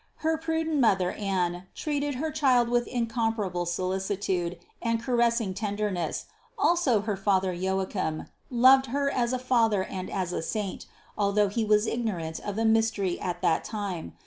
Her pru dent mother Anne treated her Child with incomparable solicitude and caressing tenderness; also her father Joachim loved Her as a father and as a saint, although he was ignorant of the mystery at that time.